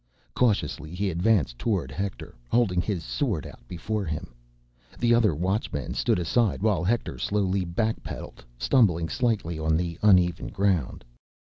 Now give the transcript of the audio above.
Cautiously, he advanced toward Hector, holding his sword out before him. The other Watchmen stood aside while Hector slowly backpedaled, stumbling slightly on the uneven ground.